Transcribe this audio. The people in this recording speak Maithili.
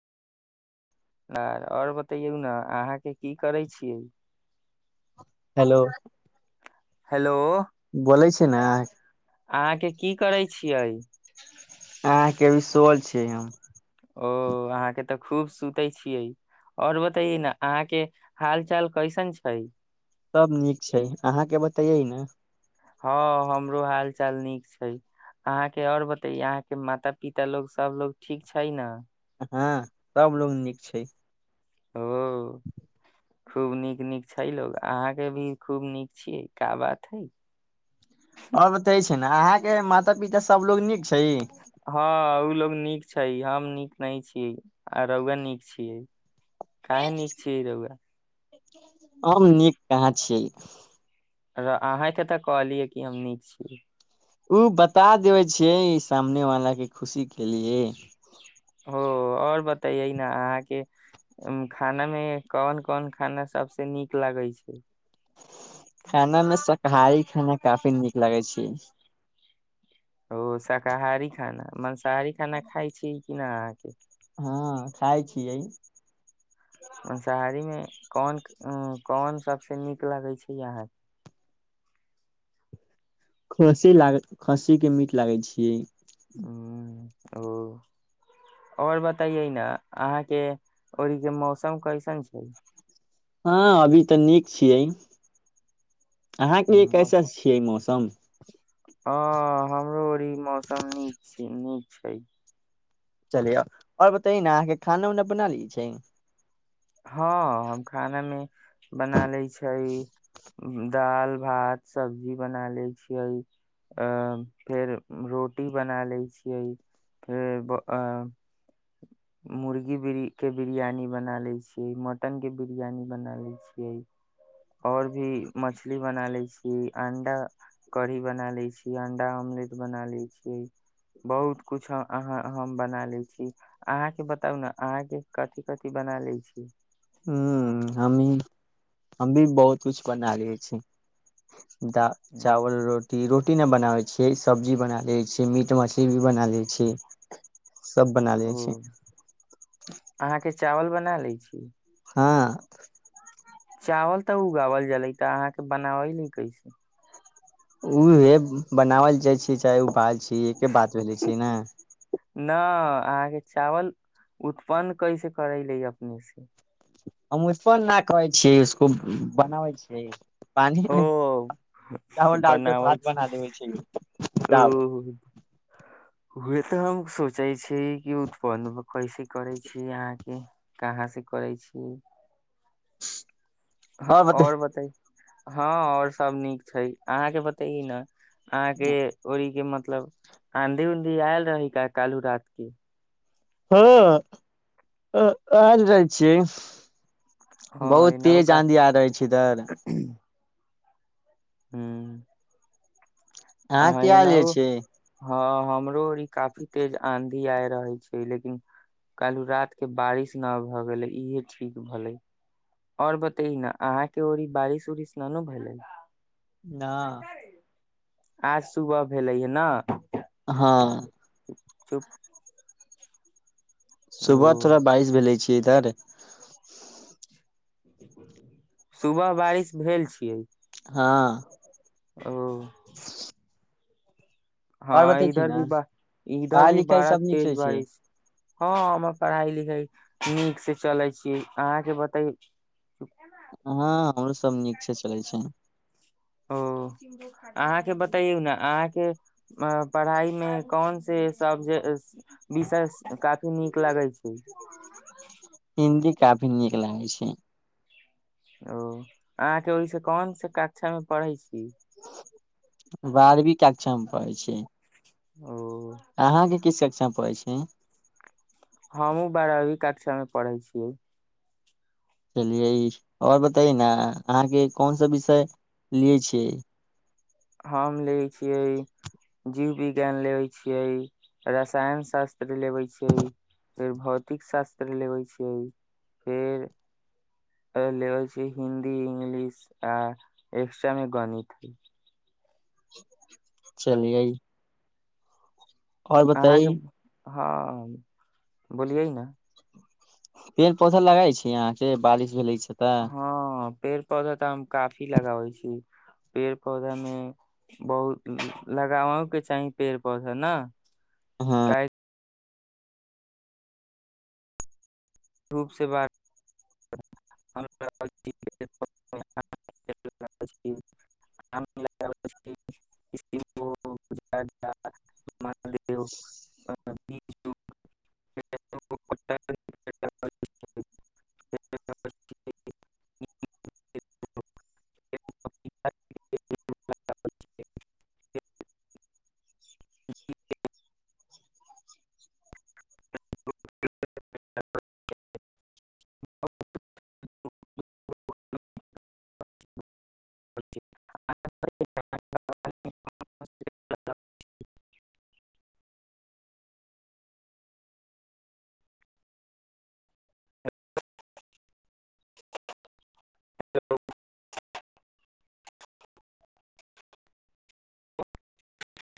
आर आओर बतैयौ ने अहाँके की करै छियै हेलो हेलो बोलै छी ने अहाँके की करै छियै अहकेभी सोल छिय हम ओ अहाँके तऽ खूब सुते छियै और बतेये ने अहाँ के हाल चाल कैसन छै सभ नीक छै अहाँके बतैयै ने हँ हमरो हाल चाल नीक छै अहाँके आओर बतैय अहाँके माता पिता लोग सबलोग ठीक छै ने हँ सब लोग नीक छै ओ खूब नीक नीक छै लोग अहाँ के भी खूब नीक छियै का बात है आओर बतै छै ने अहाँके माता पिता सब लोग नीक छै हँ ओ लोग नीक छै हम नीक नहि छीयै आ रौए नीक छियै कय नीक छीयै रउआ हम नीक कहाँ छियै र अहाँके तऽ कहलियै कि हम नीक छीियै ओ बता देबे छियै ई सामने वाला के खुशी के लिए ओ आओर बतैयै न अहाँके खाना मे कोन कोन खाना सबसे नीक लगै छै खाना मे शाकाहारी खाना काफी नीक लगै छी ओ शाकाहारी खाना मांस शहारी खाना खाय छी किना अहाँके हँ खाइ छियै मंसाहारी मे कोन उं कोन सबसँ नीक लगै छै अहाँके खस्सी लाग खस्सी के मीट लागै छी ह ओ आओर बतइयै ने अहाँके ओरीके मौसम कैसन छै हँ अभी तऽ नीक छियै अहाँके लिए कैसे छियै मौसम अछै हँ हमरो अ ई मौसम नीक छै नीक छै चलिय आओर बताै न अहाँके खाना उना बना ली छै हँ हम खानामे बना लै छै दाल भात सब्जी बना लै छियै फेर रोटी बना लै छियै फेर मुर्गी के बिरियानी बना लै छियै मटन के बिरियानी बनालै छियै और भी मछली बनालै छियै अंडा कढ़ी बना लै छी अंडा अमलेट बना लै छियै बहुत कुछ अहा हम बना लै छी अहाँ के बताउ ने अहाँ के बतौना आंहा के कथि कथि बना लै छी [inaudible] हमी हम भी बहुत कछ बना लै छी दा हम्म, चावल रोटी रोटी रोटी नहि बनाबै छियै सब्जी बना लै छियै मीट मछली भी बना लै छियै सब बना लै छै ओ अहाँके चावल बना लै छी हँ चावल तऽ उगाओल जलै तऽ अहाँके बनाबैल कैसे उहे बनावल जाइ छी चाहे उबावल छी इ एके बात भेलै छिय ने न अहाँके चावल उत्पन्न कैसे करैले अपने से हम उत्पन कहै छियै इसको बनाबै छियै पानि ओ में चावल डालके बनाबै भात बना छी। देबे छै चावल हए तऽ हम सोचै छी कि उत्पन्न कैसे करै छी अहाँके कहाँसे करै छी [inaudible] आ आओर बता और बताई हँ ओर सब नीक छै अहाँके बतेी ने अहाँके ओहि के मत मतलब आँधी उंधी आयल रहै का कालू रात के हँ आ आयल रह छिय हँ बहुत एनाहु तेज काफी आँधी आ रहै छै इधर हँ अहाँ के किहाल छ हँ हमरो आर काफी तेज आंधी आय रहे छै लेकिन कलू रात के बारिश न भ गेले इहे ठीक भेले और बतै न अहाँके र ई बारिश उरिश न ने भेलै न आज सुबह भेलै ह न हँ चुप सुबह ओ थोरा बइश भेल लै छै इधर सुबह बारिश भेल छियै हँ ओ और हँ बतै छी इधर ने भी ब इधर पढ़ाइ भी लिखाइ बारा सब नीक तेज से छै बारिश हँ हमर पढ़ाई लिखाई नीक से चलै छियै अहाँके बतैयो हँ हमरो सभ नीकसे चलै छै ओ अहाँके बतैयौ ने अहाँके पढ़ाई मे कोन से सब जे विषय काफी नीक लागै छै हिन्दी काफी नीक लागै छै ओ अहाँके ओहिसे कोनसे कक्षामे पढ़ै छी बारवी कक्षामे पढै छै [inaudible] मे पढ़ै छी हमू बारहवी कक्षा मे पढ़ै छि चलियै ओर बताइए ने अहाँके कोन सा विषय लियै छी हम लेै छियै जीवविज्ञान लेबै छियै रसायन शास्त्र लेबै छियै फेर भौतिक शास्त्र लेबै छियै फेर लेबै छियै हिन्दी इंग्लिश आ एक्स्ट्रामे गणित चलियै और आहाँके बताइ हँ बोलियै ना पेड़ पौधा लगाई छी आहाँ के बारिश भेले छै तऽ हँ पेड़ पौधा तऽ हम काफी लगाबै छी पेड़ पौधा मे बहुत लगाबो के चाही पेड़ पौधा ना हँ [unintelligible] धुपसे बात [inaudible] [inaudible] [inaudible] [inaudible] [inaudible] [inaudible] [inaudible]